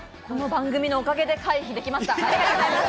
この番組のおかげで回避できました。